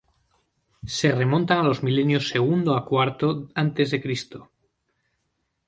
Se remontan a los milenios segundo a cuarto antes de Cristo.